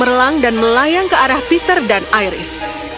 berlang dan melayang ke arah peter dan iris